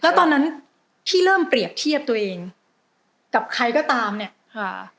แล้วตอนนั้นที่เริ่มเปรียบเทียบตัวเองกับใครก็ตามเนี่ยค่ะ